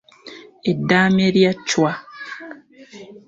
Eddaame lya Chwa.